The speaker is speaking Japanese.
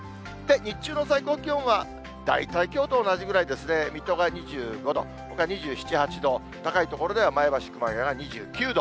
日中の最高気温は大体きょうと同じぐらいですね、水戸が２５度、ほか２７、８度、高い所では前橋、熊谷が２９度。